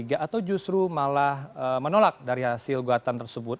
atau justru malah menolak dari hasil gugatan tersebut